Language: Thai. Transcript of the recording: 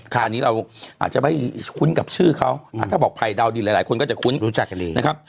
ค่ะอันนี้เราอาจจะไม่คุ้นกับชื่อเขาถ้าบอกภัยดาวดินหลายคนก็จะคุ้นนะครับ